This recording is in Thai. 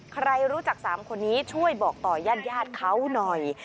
ใครรู้จัก๓คนนี้ช่วยบอกต่อญาติเขาหน่อย